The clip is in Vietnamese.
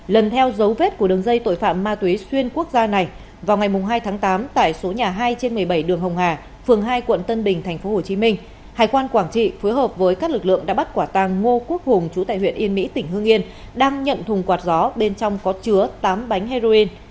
lần theo dấu vết của đường dây tội phạm ma túy xuyên quốc gia này vào ngày hai tháng tám tại số nhà hai trên một mươi bảy đường hồng hà phường hai quận tân bình tp hcm hải quan quảng trị phối hợp với các lực lượng đã bắt quả tàng ngô quốc hùng chú tại huyện yên mỹ tỉnh hương yên đang nhận thùng quạt gió bên trong có chứa tám bánh heroin